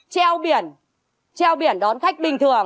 treo biển đón khách bình thường